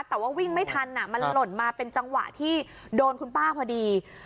แต่ว่าวิ่งไม่ทันมันหล่นมาเป็นจังหวะที่โดนคุณป้าพอดี